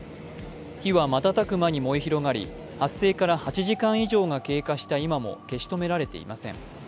火は瞬く間に燃え広がり発生から８時間以上が経過した今も消し止められていません。